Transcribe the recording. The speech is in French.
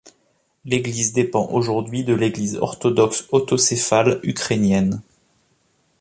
L'église dépend aujourd'hui de l'Église orthodoxe autocéphale ukrainienne.